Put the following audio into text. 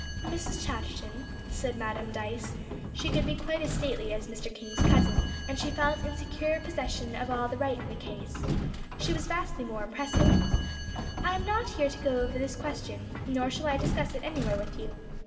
"Mrs. Chatterton," said Madam Dyce she could be quite as stately as Mr. King's cousin, and as she felt in secure possession of the right in the case, she was vastly more impressive "I am not here to go over this question, nor shall I discuss it anywhere with you.